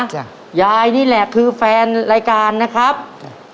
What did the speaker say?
จ้ะยายนี่แหละคือแฟนรายการนะครับจ้ะ